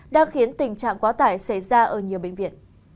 đã khiến tình trạng quá tải xảy ra ở nhiều bệnh viện